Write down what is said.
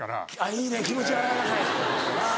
いいね気持ちは柔らかい。